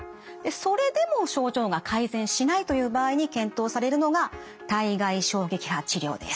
それでも症状が改善しないという場合に検討されるのが体外衝撃波治療です。